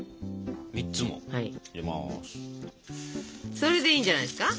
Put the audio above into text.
それでいいんじゃないですか？